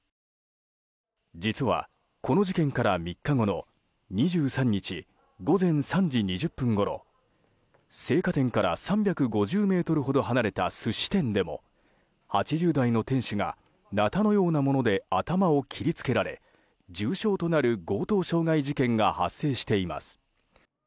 実は、この事件から３日後の２３日午前３時２０分ごろ青果店から３５０ｍほど離れた寿司店でも８０代の店主がなたのようなもので頭を切りつけられ重傷となる強盗傷害事件が発生しています。